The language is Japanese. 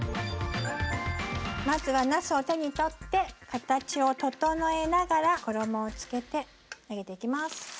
まずはなすを手に取って形を整えながら衣をつけて揚げていきます。